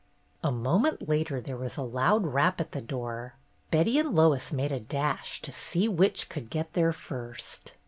A moment later there was a loud rap at the door. Betty and Lois made a dash to see which could get there first.